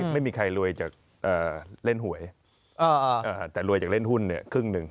ไม่มีใครรวยจากเล่นหวยแต่รวยจากเล่นหุ้นเนี่ยครึ่งหนึ่ง